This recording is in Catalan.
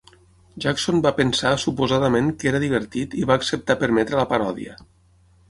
Jackson va pensar suposadament que era divertit i va acceptar permetre la paròdia.